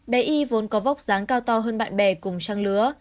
bé y vốn có vóc dáng cao to hơn bạn bè cùng trang lứa